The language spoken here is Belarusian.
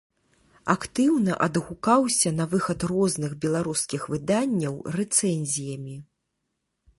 Актыўна адгукаўся на выхад розных беларускіх выданняў рэцэнзіямі.